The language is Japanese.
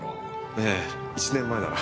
ええ１年前なら。